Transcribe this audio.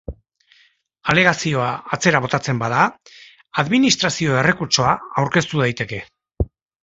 Alegazioa atzera botatzen bada, administrazio-errekurtsoa aurkeztu daiteke.